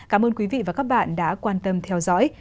cảm ơn quý vị và các bạn đã quan tâm theo dõi